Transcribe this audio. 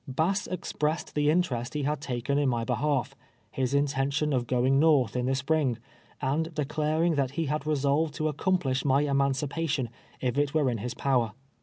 Bass expressed the interest he had taken in my behalf — his intention of going north in the Spring, and declaring that lie had resolved to accomplish my emancipation, if it were in Ins power.